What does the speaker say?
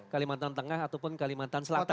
kalimantan tengah ataupun kalimantan selatan